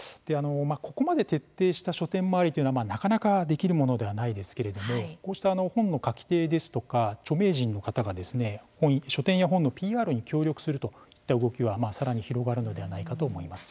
ここまで徹底した書店回りというのは、なかなかできるものではないですけれども本の書き手ですとか著名人の方が書店や本のＰＲに協力するといった動きは、さらに広がるのではないかと思います。